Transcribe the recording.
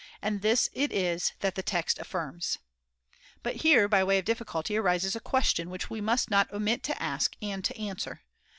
And this it is that the text affirms. But here by way of difficulty arises a question which we must not omit to ask and to answer.